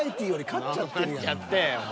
勝っちゃってお前。